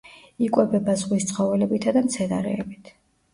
იკვებება ზღვის ცხოველებითა და მცენარეებით.